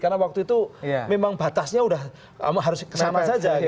karena waktu itu memang batasnya harus kesama saja